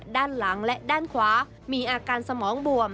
ด้านหลังและด้านขวามีอาการสมองบวม